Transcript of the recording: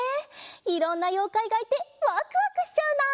いろんなようかいがいてワクワクしちゃうな。